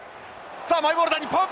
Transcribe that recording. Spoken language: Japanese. さあマイボールだ日本！